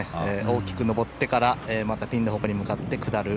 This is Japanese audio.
大きく上ってから、またピンの方向へ向かって下る。